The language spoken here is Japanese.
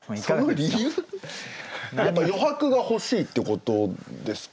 やっぱ余白が欲しいってことですか？